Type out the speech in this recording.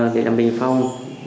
để làm bình pháp của công ty